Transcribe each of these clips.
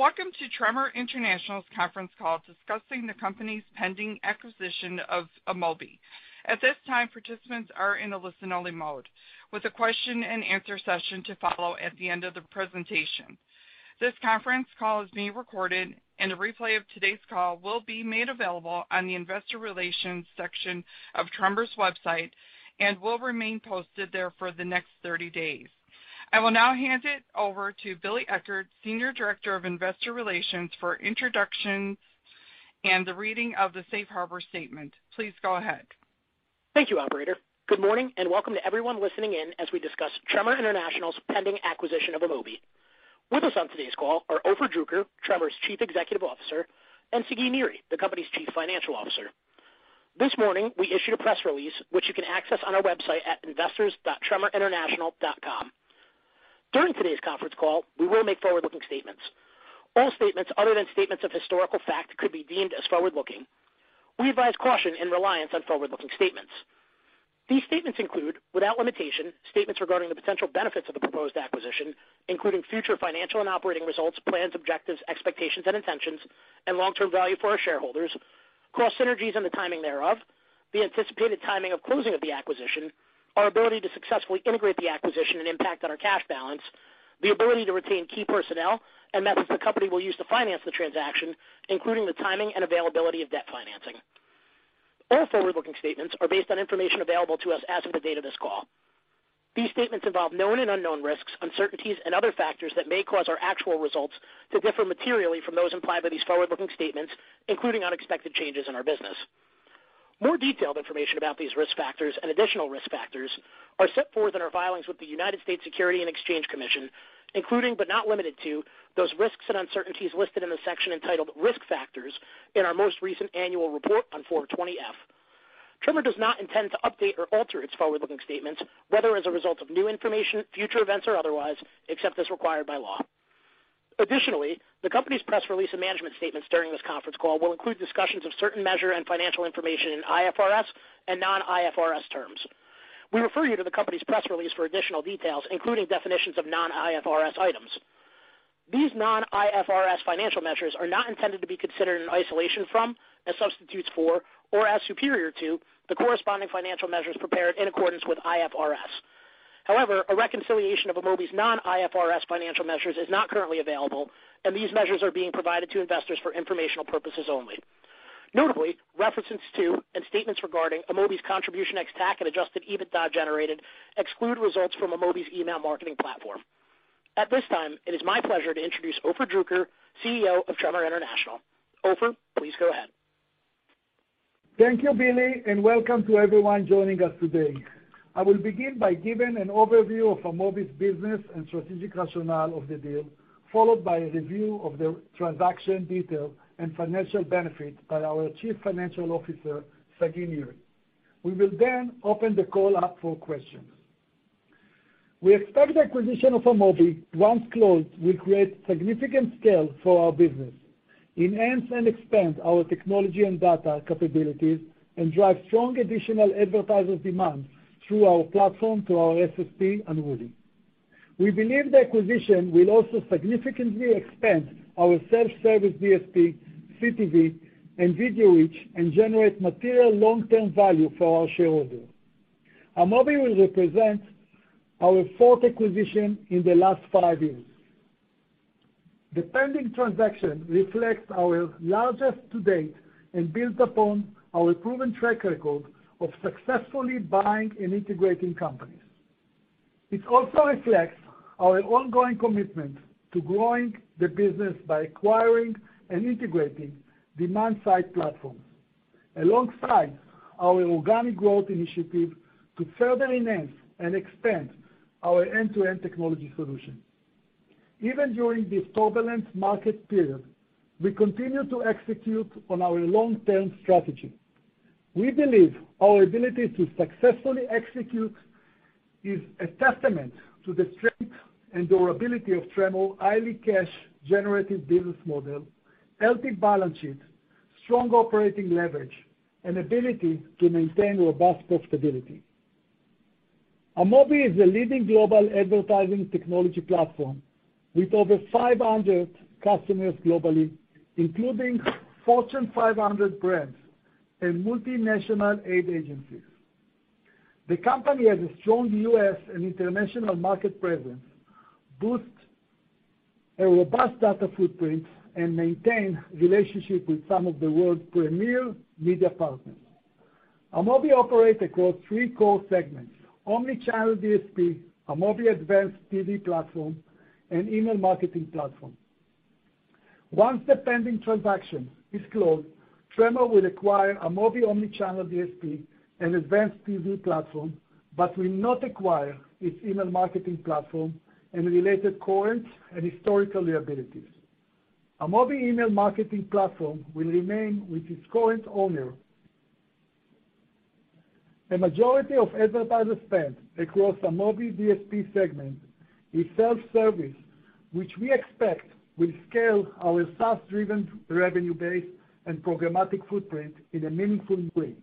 Welcome to Tremor International's conference call discussing the company's pending acquisition of Amobee. At this time, participants are in a listen-only mode, with a question and answer session to follow at the end of the presentation. This conference call is being recorded and a replay of today's call will be made available on the investor relations section of Tremor's website and will remain posted there for the next 30 days. I will now hand it over to Billy Eckert, Senior Director of Investor Relations, for introductions and the reading of the Safe Harbor statement. Please go ahead. Thank you, operator. Good morning and welcome to everyone listening in as we discuss Tremor International's pending acquisition of Amobee. With us on today's call are Ofer Druker, Tremor's Chief Executive Officer, and Sagi Niri, the company's Chief Financial Officer. This morning, we issued a press release which you can access on our website at investors.tremorinternational.com. During today's conference call, we will make forward-looking statements. All statements other than statements of historical fact could be deemed as forward-looking. We advise caution and reliance on forward-looking statements. These statements include, without limitation, statements regarding the potential benefits of the proposed acquisition, including future financial and operating results, plans, objectives, expectations and intentions, and long-term value for our shareholders, cross synergies and the timing thereof, the anticipated timing of closing of the acquisition, our ability to successfully integrate the acquisition and impact on our cash balance, the ability to retain key personnel, and methods the company will use to finance the transaction, including the timing and availability of debt financing. All forward-looking statements are based on information available to us as of the date of this call. These statements involve known and unknown risks, uncertainties and other factors that may cause our actual results to differ materially from those implied by these forward-looking statements, including unexpected changes in our business. More detailed information about these risk factors and additional risk factors are set forth in our filings with the United States Securities and Exchange Commission, including but not limited to those risks and uncertainties listed in the section entitled Risk Factors in our most recent annual report on Form 20-F. Tremor does not intend to update or alter its forward-looking statements, whether as a result of new information, future events or otherwise, except as required by law. Additionally, the company's press release and management statements during this conference call will include discussions of certain measure and financial information in IFRS and non-IFRS terms. We refer you to the company's press release for additional details, including definitions of non-IFRS items. These non-IFRS financial measures are not intended to be considered in isolation from, as substitutes for, or as superior to, the corresponding financial measures prepared in accordance with IFRS. However, a reconciliation of Amobee's non-IFRS financial measures is not currently available, and these measures are being provided to investors for informational purposes only. Notably, references to and statements regarding Amobee's contribution ex-TAC and Adjusted EBITDA generated exclude results from Amobee's email marketing platform. At this time, it is my pleasure to introduce Ofer Druker, CEO of Tremor International. Ofer, please go ahead. Thank you, Billy, and welcome to everyone joining us today. I will begin by giving an overview of Amobee's business and strategic rationale of the deal, followed by a review of the transaction detail and financial benefits by our Chief Financial Officer, Sagi Niri. We will then open the call up for questions. We expect the acquisition of Amobee, once closed, will create significant scale for our business, enhance and expand our technology and data capabilities, and drive strong additional advertiser demand through our platform to our SSP and Unruly. We believe the acquisition will also significantly expand our self-service DSP, CTV, and video reach and generate material long-term value for our shareholders. Amobee will represent our fourth acquisition in the last five years. The pending transaction reflects our largest to date and builds upon our proven track record of successfully buying and integrating companies. It also reflects our ongoing commitment to growing the business by acquiring and integrating demand-side platforms alongside our organic growth initiative to further enhance and expand our end-to-end technology solution. Even during this turbulent market period, we continue to execute on our long-term strategy. We believe our ability to successfully execute is a testament to the strength and durability of Tremor, highly cash generative business model, healthy balance sheet, strong operating leverage, and ability to maintain robust profitability. Amobee is a leading global advertising technology platform with over 500 customers globally, including Fortune 500 brands and multinational ad agencies. The company has a strong U.S. and international market presence, boasts a robust data footprint, and maintains relationships with some of the world's premier media partners. Amobee operates across three core segments, omnichannel DSP, Amobee Advanced TV platform, and email marketing platform. Once the pending transaction is closed, Tremor will acquire Amobee omnichannel DSP and Advanced TV platform, but will not acquire its email marketing platform and related current and historical liabilities. Amobee email marketing platform will remain with its current owner. A majority of advertiser spend across Amobee DSP segment is self-service, which we expect will scale our SaaS-driven revenue base and programmatic footprint in a meaningful way.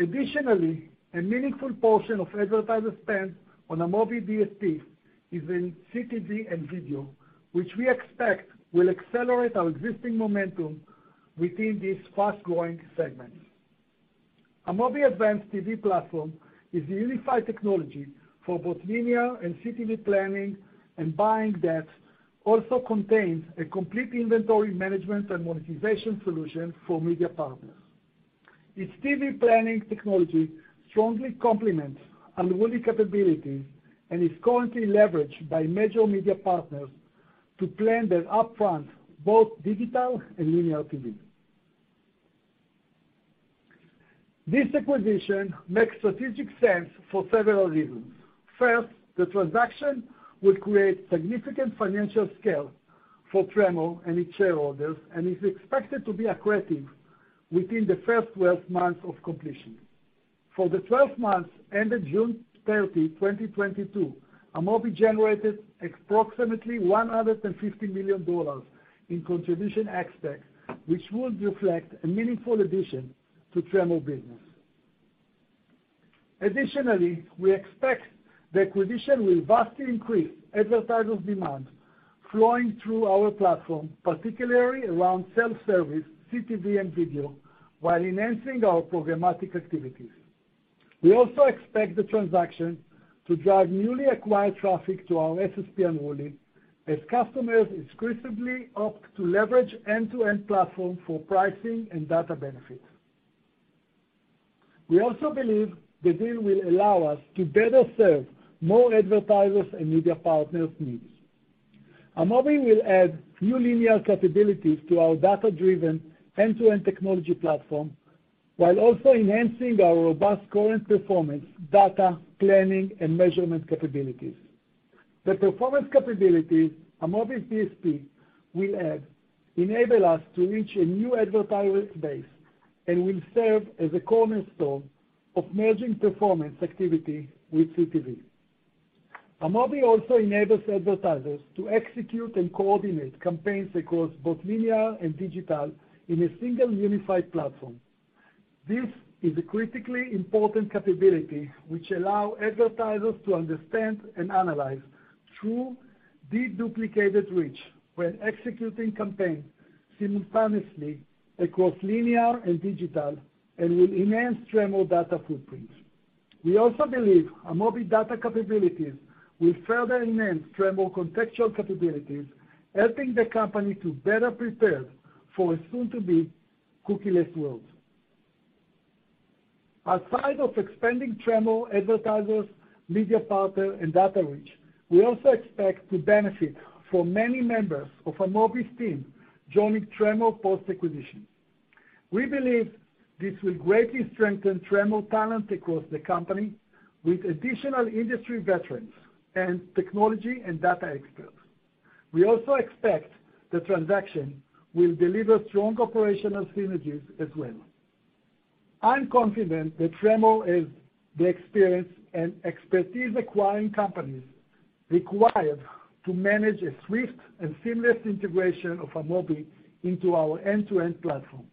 Additionally, a meaningful portion of advertiser spend on Amobee DSP is in CTV and video, which we expect will accelerate our existing momentum within these fast-growing segments. Amobee Advanced TV platform is a unified technology for both linear and CTV planning and buying that also contains a complete inventory management and monetization solution for media partners. Its TV planning technology strongly complements Unruly capabilities and is currently leveraged by major media partners to plan their upfront, both digital and linear TV. This acquisition makes strategic sense for several reasons. First, the transaction will create significant financial scale for Tremor and its shareholders and is expected to be accretive within the first 12 months of completion. For the 12 months ended June 30, 2022, Amobee generated approximately $150 million in contribution ex-TAC, which would reflect a meaningful addition to Tremor's business. Additionally, we expect the acquisition will vastly increase advertiser demand flowing through our platform, particularly around self-service, CTV, and video, while enhancing our programmatic activities. We also expect the transaction to drive newly acquired traffic to our SSP Unruly as customers exclusively opt to leverage end-to-end platform for pricing and data benefits. We also believe the deal will allow us to better serve more advertisers and media partners' needs. Amobee will add new linear capabilities to our data-driven end-to-end technology platform, while also enhancing our robust current performance, data, planning and measurement capabilities. The performance capabilities Amobee DSP will add enable us to reach a new advertiser base and will serve as a cornerstone of merging performance activity with CTV. Amobee also enables advertisers to execute and coordinate campaigns across both linear and digital in a single unified platform. This is a critically important capability which allow advertisers to understand and analyze true de-duplicated reach when executing campaigns simultaneously across linear and digital and will enhance Tremor data footprints. We also believe Amobee data capabilities will further enhance Tremor contextual capabilities, helping the company to better prepare for a soon-to-be cookieless world. Outside of expanding Tremor advertisers, media partner, and data reach, we also expect to benefit from many members of Amobee's team joining Tremor post-acquisition. We believe this will greatly strengthen Tremor talent across the company with additional industry veterans and technology and data experts. We also expect the transaction will deliver strong operational synergies as well. I'm confident that Tremor has the experience and expertise acquiring companies required to manage a swift and seamless integration of Amobee into our end-to-end platform.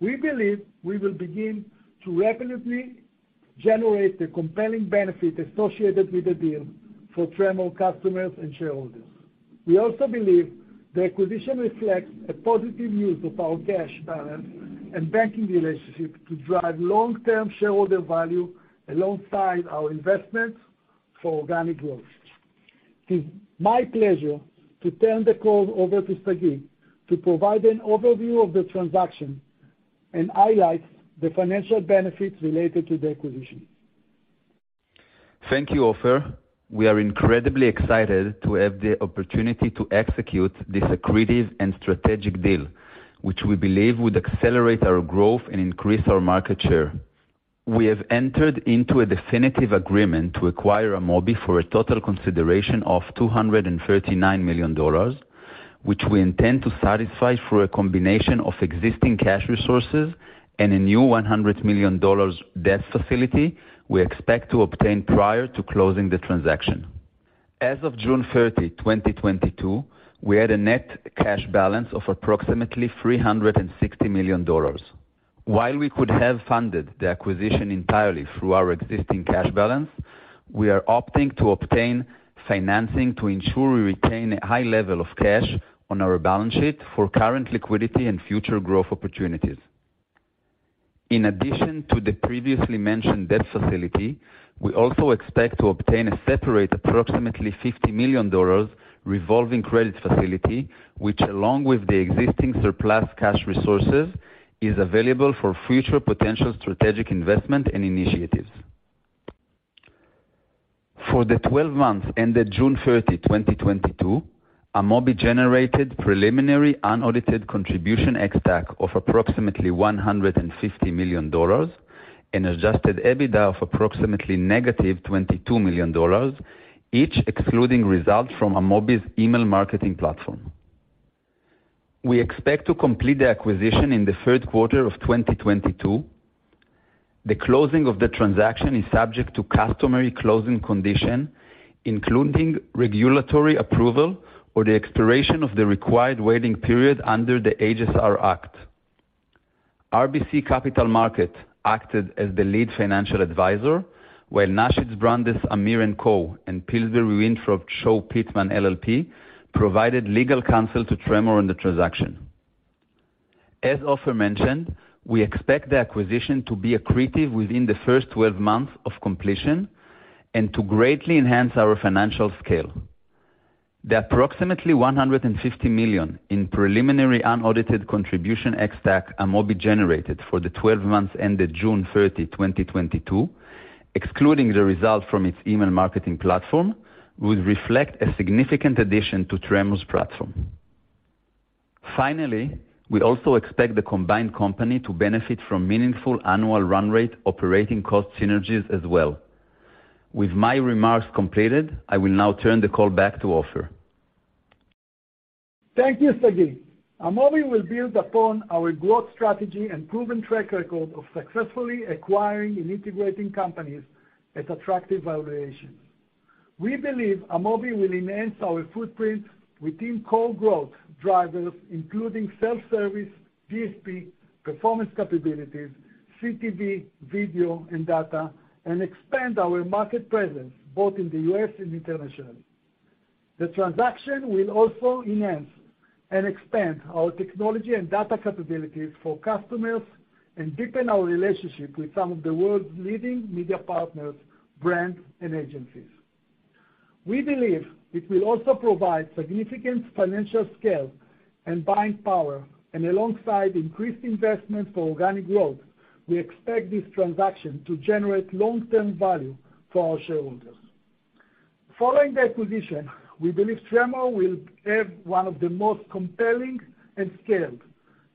We believe we will begin to rapidly generate the compelling benefit associated with the deal for Tremor customers and shareholders. We also believe the acquisition reflects a positive use of our cash balance and banking relationship to drive long-term shareholder value alongside our investments for organic growth. It's my pleasure to turn the call over to Sagi to provide an overview of the transaction and highlight the financial benefits related to the acquisition. Thank you, Ofer. We are incredibly excited to have the opportunity to execute this accretive and strategic deal, which we believe would accelerate our growth and increase our market share. We have entered into a definitive agreement to acquire Amobee for a total consideration of $239 million, which we intend to satisfy through a combination of existing cash resources and a new $100 million debt facility we expect to obtain prior to closing the transaction. As of June 30, 2022, we had a net cash balance of approximately $360 million. While we could have funded the acquisition entirely through our existing cash balance, we are opting to obtain financing to ensure we retain a high level of cash on our balance sheet for current liquidity and future growth opportunities. In addition to the previously mentioned debt facility, we also expect to obtain a separate approximately $50 million revolving credit facility, which, along with the existing surplus cash resources, is available for future potential strategic investment and initiatives. For the twelve months ended June 30, 2022, Amobee generated preliminary unaudited contribution ex-TAC of approximately $150 million and Adjusted EBITDA of approximately -$22 million, each excluding results from Amobee's email marketing platform. We expect to complete the acquisition in the third quarter of 2022. The closing of the transaction is subject to customary closing conditions, including regulatory approval or the expiration of the required waiting period under the HSR Act. RBC Capital Markets acted as the lead financial advisor, while Naschitz Brandes Amir & Co. and Pillsbury Winthrop Shaw Pittman LLP provided legal counsel to Tremor in the transaction. As Ofer mentioned, we expect the acquisition to be accretive within the first 12 months of completion and to greatly enhance our financial scale. The approximately $150 million in preliminary unaudited contribution ex-TAC Amobee generated for the 12 months ended June 30, 2022, excluding the results from its email marketing platform, would reflect a significant addition to Tremor's platform. Finally, we also expect the combined company to benefit from meaningful annual run rate operating cost synergies as well. With my remarks completed, I will now turn the call back to Ofer. Thank you, Sagi. Amobee will build upon our growth strategy and proven track record of successfully acquiring and integrating companies at attractive valuations. We believe Amobee will enhance our footprint within core growth drivers, including self-service, DSP, performance capabilities, CTV, video and data, and expand our market presence both in the U.S. and internationally. The transaction will also enhance and expand our technology and data capabilities for customers and deepen our relationship with some of the world's leading media partners, brands, and agencies. We believe it will also provide significant financial scale and buying power, and alongside increased investment for organic growth, we expect this transaction to generate long-term value for our shareholders. Following the acquisition, we believe Tremor will have one of the most compelling and scaled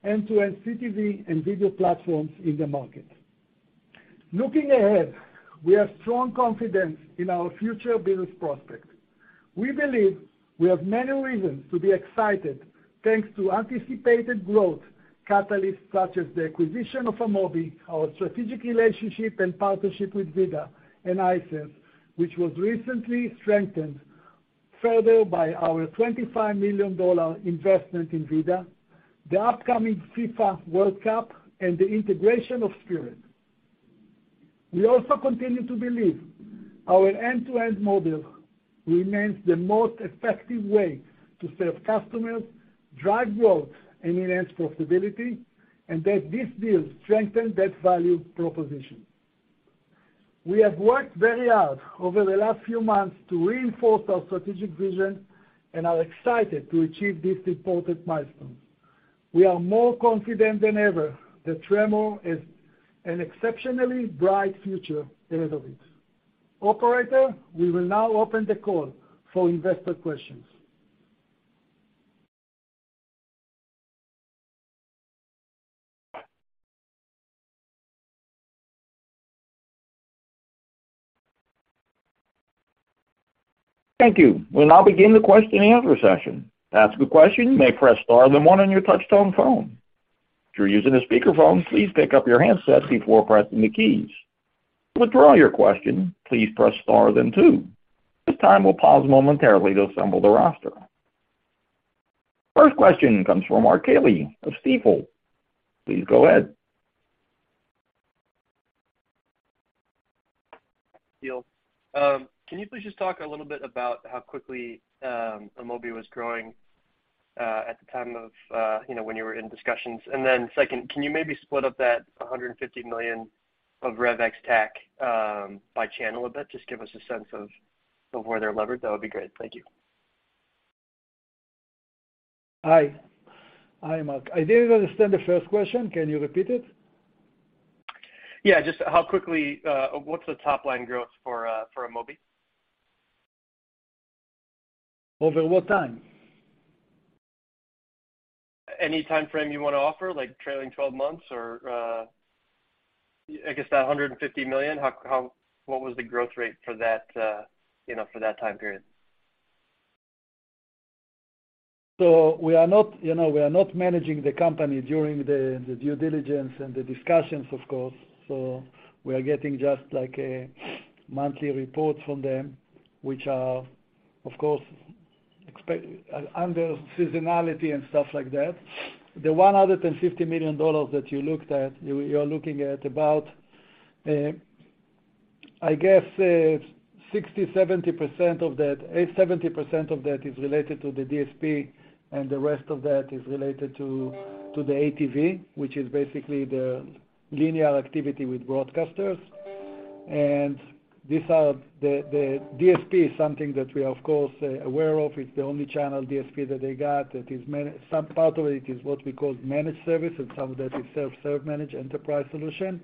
end-to-end CTV and video platforms in the market. Looking ahead, we have strong confidence in our future business prospects. We believe we have many reasons to be excited thanks to anticipated growth catalysts such as the acquisition of Amobee, our strategic relationship and partnership with VIDAA and Hisense, which was recently strengthened further by our $25 million investment in VIDAA, the upcoming FIFA World Cup, and the integration of Spearad. We also continue to believe our end-to-end model remains the most effective way to serve customers, drive growth, and enhance profitability, and that this deal strengthened that value proposition. We have worked very hard over the last few months to reinforce our strategic vision and are excited to achieve this important milestone. We are more confident than ever that Tremor has an exceptionally bright future ahead of it. Operator, we will now open the call for investor questions. Thank you. We'll now begin the question and answer session. To ask a question, you may press star then one on your touchtone phone. If you're using a speakerphone, please pick up your handset before pressing the keys. To withdraw your question, please press star then two. This time we'll pause momentarily to assemble the roster. First question comes from Mark Kelley of Stifel. Please go ahead. Yeah. Can you please just talk a little bit about how quickly Amobee was growing at the time of you know when you were in discussions? Second, can you maybe split up that $150 million of rev ex-TAC by channel a bit? Just give us a sense of where they're levered. That would be great. Thank you. Hi. Hi, Mark. I didn't understand the first question. Can you repeat it? Yeah. What's the top line growth for Amobee? Over what time? Any timeframe you wanna offer, like trailing twelve months or, I guess that $150 million, what was the growth rate for that, you know, for that time period? We are not, you know, we are not managing the company during the due diligence and the discussions, of course. We are getting just like a monthly report from them, which are, of course, under seasonality and stuff like that. The $150 million that you looked at, you're looking at about, I guess, 60%-70% of that—70% of that is related to the DSP and the rest of that is related to the ATV, which is basically the linear activity with broadcasters. DSP is something that we are, of course, aware of. It's the only channel DSP that they got that is. Some part of it is what we call managed service and some of that is self-serve managed enterprise solution.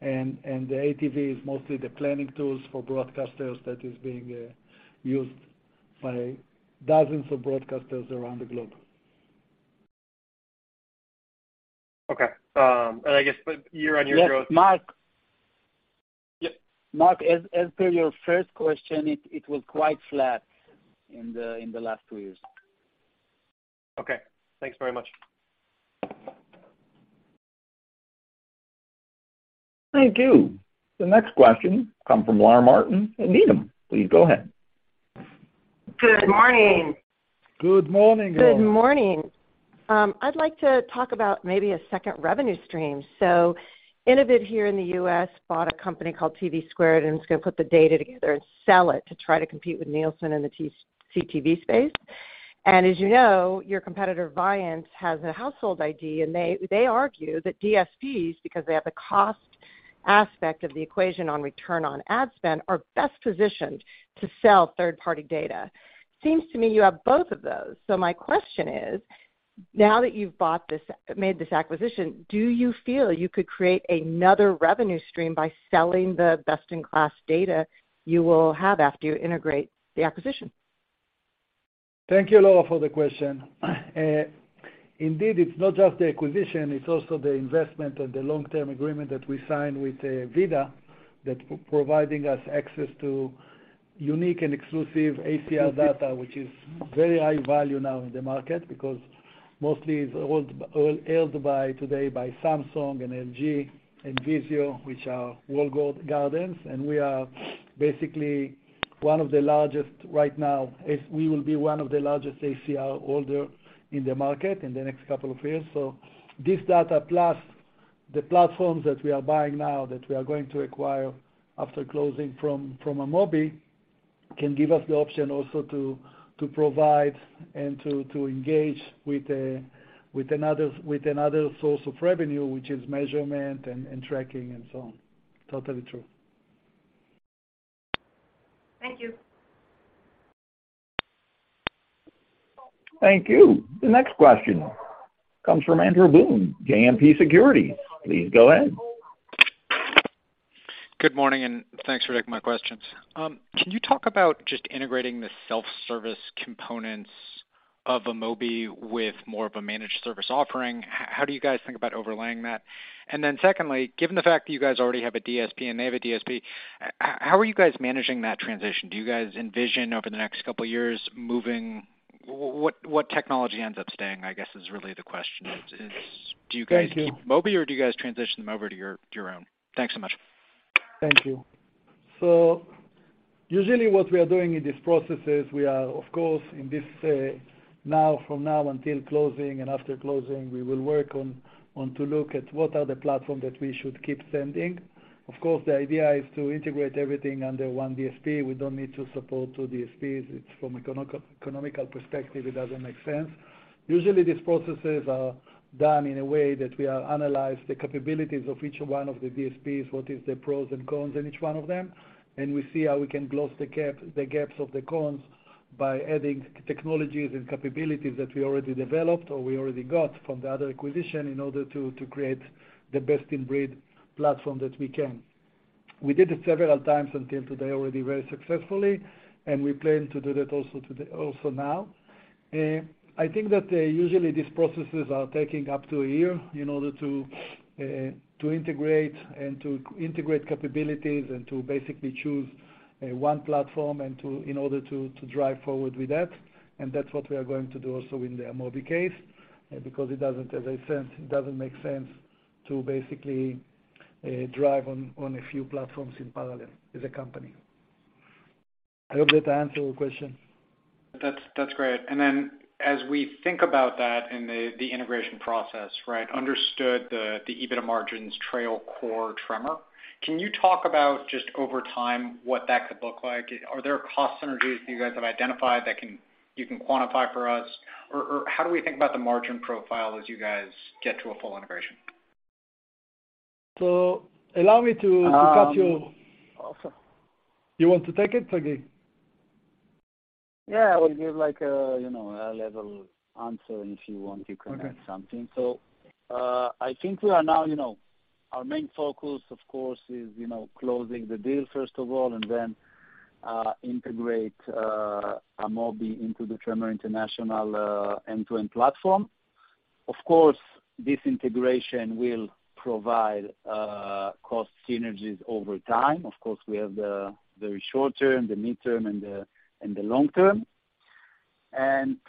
The ATV is mostly the planning tools for broadcasters that is being used by dozens of broadcasters around the globe. Okay. I guess year-on-year growth. Yes, Mark. Yep. Mark, as per your first question, it was quite flat in the last two years. Okay. Thanks very much. Thank you. The next question come from Laura Martin at Needham. Please go ahead. Good morning. Good morning, Laura. Good morning. I'd like to talk about maybe a second revenue stream. Innovid here in the U.S. bought a company called TVSquared, and it's gonna put the data together and sell it to try to compete with Nielsen in the CTV space. As you know, your competitor, Viant, has a household ID, and they argue that DSPs, because they have the cost aspect of the equation on return on ad spend, are best positioned to sell third-party data. Seems to me you have both of those. My question is, now that you've made this acquisition, do you feel you could create another revenue stream by selling the best-in-class data you will have after you integrate the acquisition? Thank you, Laura, for the question. Indeed, it's not just the acquisition, it's also the investment and the long-term agreement that we signed with VIDAA, that providing us access to unique and exclusive ACR data, which is very high value now in the market because mostly it's only held today by Samsung and LG and Vizio, which are walled gardens. We are basically one of the largest right now. We will be one of the largest ACR holder in the market in the next couple of years. This data, plus the platforms that we are buying now, that we are going to acquire after closing from Amobee, can give us the option also to provide and to engage with another source of revenue, which is measurement and tracking and so on. Totally true. Thank you. Thank you. The next question comes from Andrew Boone, JMP Securities. Please go ahead. Good morning, and thanks for taking my questions. Can you talk about just integrating the self-service components of Amobee with more of a managed service offering? How do you guys think about overlaying that? Secondly, given the fact that you guys already have a DSP and they have a DSP, how are you guys managing that transition? Do you guys envision over the next couple of years what technology ends up staying, I guess, is really the question, is do you guys? Thank you. Keep Amobee or do you guys transition them over to your own? Thanks so much. Thank you. Usually what we are doing in this process is we are, of course, in this, from now until closing and after closing, we will work on to look at what are the platform that we should keep sending. Of course, the idea is to integrate everything under one DSP. We don't need to support two DSPs. It's from economical perspective, it doesn't make sense. Usually, these processes are done in a way that we analyze the capabilities of each one of the DSPs, what is the pros and cons in each one of them. We see how we can close the gaps of the cons by adding technologies and capabilities that we already developed or we already got from the other acquisition in order to create the best-in-breed platform that we can. We did it several times until today already very successfully, and we plan to do that also today, also now. I think that usually these processes are taking up to a year in order to integrate capabilities and to basically choose one platform and in order to drive forward with that. That's what we are going to do also in the Amobee case, because it doesn't, as I said, make sense to basically drive on a few platforms in parallel as a company. I hope that answered your question. That's great. As we think about that in the integration process, right? Understood, the EBITDA margins trail core Tremor. Can you talk about just over time what that could look like? Are there cost synergies you guys have identified that you can quantify for us? How do we think about the margin profile as you guys get to a full integration? So allow me to- Um- To cut you. Also. You want to take it, Sagi? Yeah. I will give, like, you know, a level answer, and if you want, you can add something. Okay. I think we are now, you know, our main focus, of course, is, you know, closing the deal, first of all, and then integrate Amobee into the Tremor International end-to-end platform. Of course, this integration will provide cost synergies over time. Of course, we have the short term, the midterm, and the long term.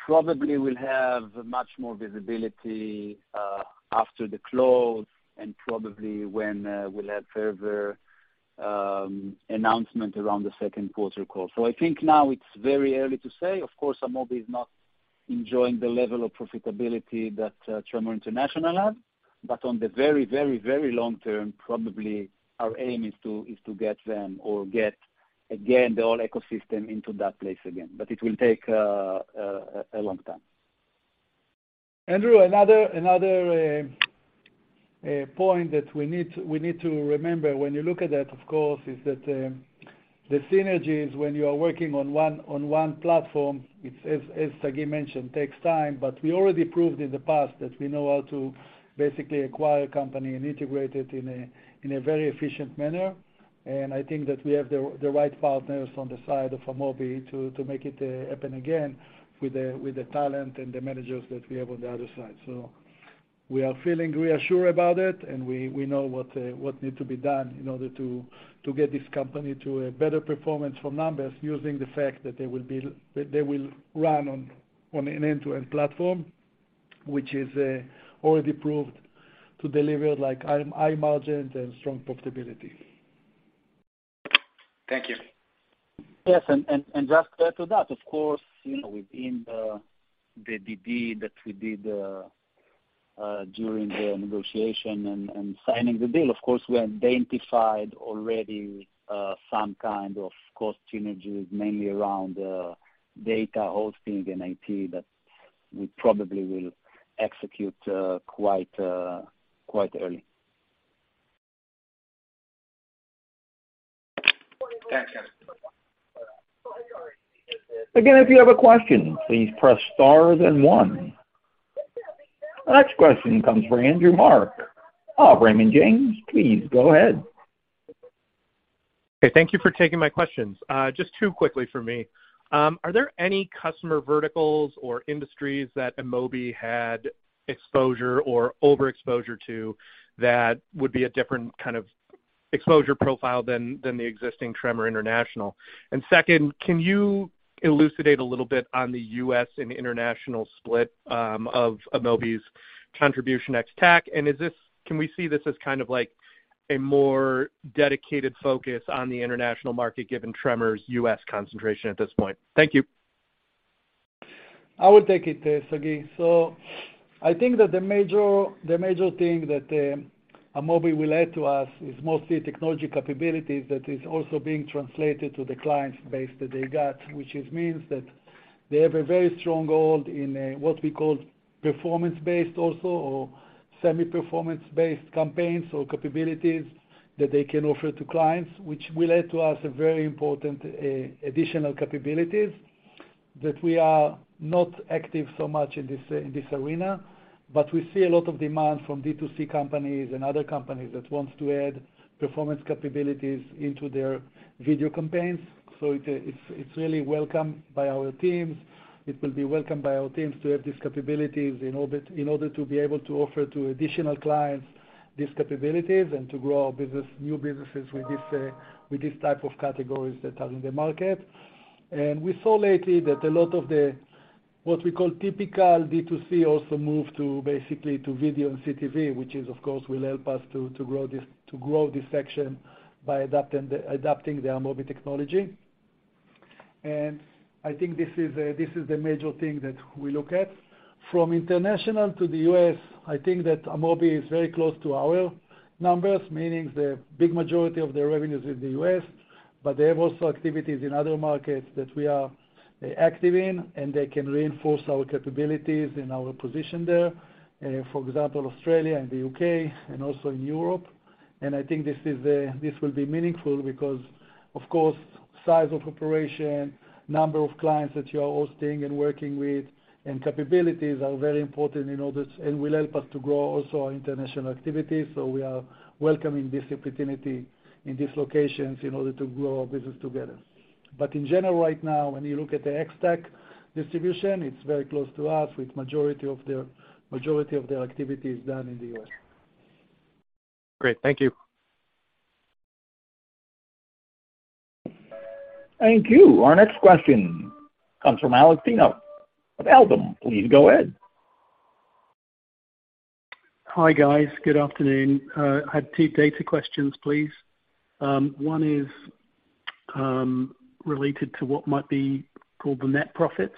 Probably we'll have much more visibility after the close and probably when we'll have further announcement around the second quarter call. I think now it's very early to say. Of course, Amobee is not enjoying the level of profitability that Tremor International have. On the very long term, probably our aim is to get them or get again the whole ecosystem into that place again. It will take a long time. Andrew, another point that we need to remember when you look at that, of course, is that, the synergies when you are working on one platform, it's as Sagi mentioned, takes time. We already proved in the past that we know how to basically acquire company and integrate it in a very efficient manner. I think that we have the right partners on the side of Amobee to make it happen again with the talent and the managers that we have on the other side. We are feeling reassured about it, and we know what need to be done in order to get this company to a better performance from numbers using the fact that they will run on an end-to-end platform. Which is already proved to deliver like high margins and strong profitability. Thank you. Yes, just to add to that, of course, you know within the DD that we did during the negotiation and signing the deal. Of course, we identified already some kind of cost synergies mainly around data hosting and IT that we probably will execute quite early. Thank you. Again, if you have a question, please press star then one. The next question comes from Andrew Marok of Raymond James. Please go ahead. Okay. Thank you for taking my questions. Just two quickly for me. Are there any customer verticals or industries that Amobee had exposure or overexposure to that would be a different kind of exposure profile than the existing Tremor International? Second, can you elucidate a little bit on the U.S. and international split of Amobee's contribution ex-TAC? And is this can we see this as kind of like a more dedicated focus on the international market given Tremor's U.S. concentration at this point? Thank you. I will take it, Sagi. I think that the major thing that Amobee will add to us is mostly technology capabilities that is also being translated to the client base that they got. Which it means that they have a very strong hold in what we call performance-based also or semi performance-based campaigns or capabilities that they can offer to clients, which will add to us a very important additional capabilities that we are not active so much in this arena. But we see a lot of demand from D2C companies and other companies that wants to add performance capabilities into their video campaigns. It's really welcomed by our teams. It will be welcomed by our teams to have these capabilities in order to be able to offer to additional clients these capabilities and to grow our business, new businesses with this, with this type of categories that are in the market. We saw lately that a lot of the, what we call typical D2C also moved to basically to video and CTV, which is of course will help us to grow this section by adapting the Amobee technology. I think this is the major thing that we look at. From international to the U.S., I think that Amobee is very close to our numbers, meaning the big majority of their revenues is in the U.S., but they have also activities in other markets that we are active in, and they can reinforce our capabilities and our position there. For example, Australia and the U.K., and also in Europe. I think this is, this will be meaningful because, of course, size of operation, number of clients that you are hosting and working with, and capabilities are very important in all this, and will help us to grow also our international activities. We are welcoming this opportunity in these locations in order to grow our business together. In general, right now, when you look at the ex-TAC distribution, it's very close to us, with majority of their activities done in the U.S. Great. Thank you. Thank you. Our next question comes from Alex Sherwood of Liberum. Please go ahead. Hi, guys. Good afternoon. I have two data questions, please. One is related to what might be called the net profits.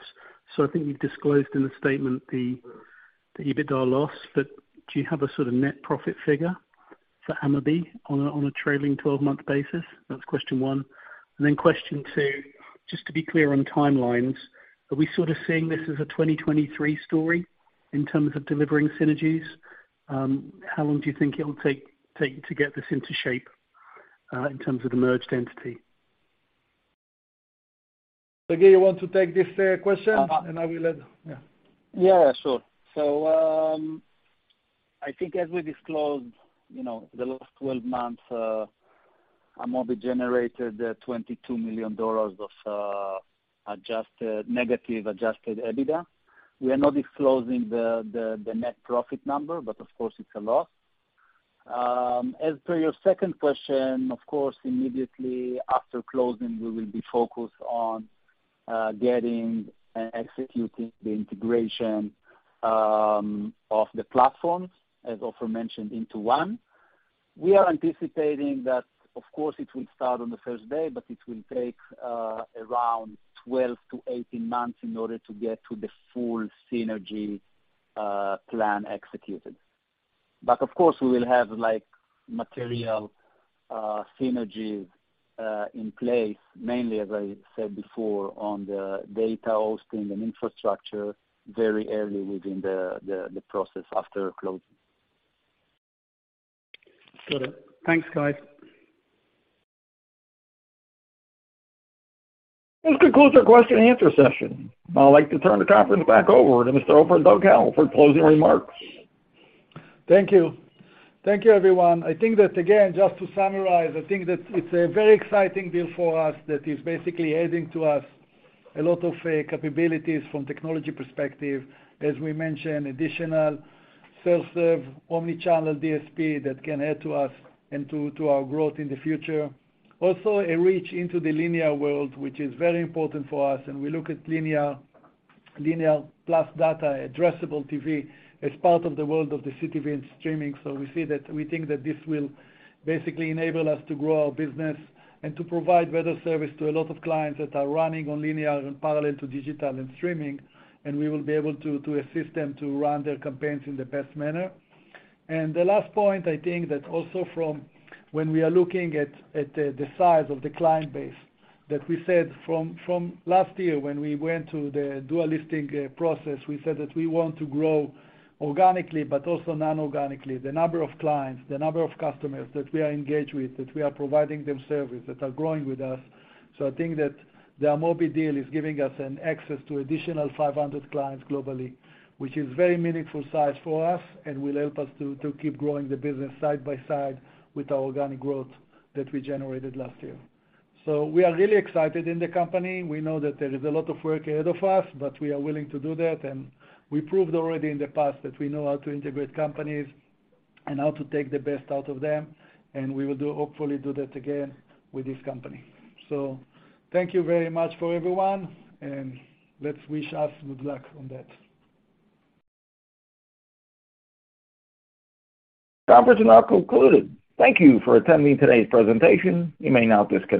I think you've disclosed in the statement the EBITDA loss, but do you have a sort of net profit figure for Amobee on a trailing twelve-month basis? That's question one. Question two, just to be clear on timelines, are we sort of seeing this as a 2023 story in terms of delivering synergies? How long do you think it'll take to get this into shape in terms of the merged entity? Sagi, you want to take this question? Uh. I will add. Yeah. Yeah, sure. I think as we disclosed, you know, the last 12 months, Amobee generated $22 million of negative Adjusted EBITDA. We are not disclosing the net profit number, but of course it's a loss. As per your second question, of course, immediately after closing, we will be focused on getting and executing the integration of the platforms, as Ofer mentioned, into one. We are anticipating that, of course, it will start on the first day, but it will take around 12-18 months in order to get to the full synergy plan executed. Of course, we will have like material synergies in place, mainly, as I said before, on the data hosting and infrastructure very early within the process after closing. Got it. Thanks, guys. This concludes our question and answer session. I'd like to turn the conference back over to Mr. Ofer Druker for closing remarks. Thank you. Thank you, everyone. I think that again, just to summarize, I think that it's a very exciting deal for us that is basically adding to us a lot of capabilities from technology perspective. As we mentioned, additional self-serve omni-channel DSP that can add to us and to our growth in the future. Also, a reach into the linear world, which is very important for us, and we look at linear plus data addressable TV as part of the world of the CTV and streaming. We see that we think that this will basically enable us to grow our business and to provide better service to a lot of clients that are running on linear and parallel to digital and streaming, and we will be able to assist them to run their campaigns in the best manner. The last point, I think that also from when we are looking at the size of the client base, that we said from last year when we went to the dual listing process, we said that we want to grow organically but also non-organically. The number of clients, the number of customers that we are engaged with, that we are providing them service, that are growing with us. I think that the Amobee deal is giving us an access to additional 500 clients globally, which is very meaningful size for us and will help us to keep growing the business side by side with our organic growth that we generated last year. We are really excited in the company. We know that there is a lot of work ahead of us, but we are willing to do that. We proved already in the past that we know how to integrate companies and how to take the best out of them, and we will hopefully do that again with this company. Thank you very much for everyone, and let's wish us good luck on that. Conference now concluded. Thank you for attending today's presentation. You may now disconnect.